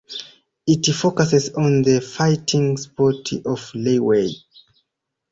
It focuses on the fighting sport of Lethwei.